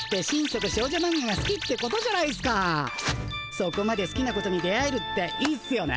そこまですきなことに出会えるっていいっすよね。